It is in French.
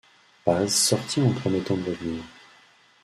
Paz sortit en promettant de revenir.